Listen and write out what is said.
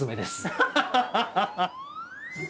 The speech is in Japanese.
ハハハハ！